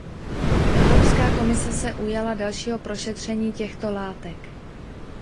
Evropská komise se ujala dalšího prošetření těchto látek.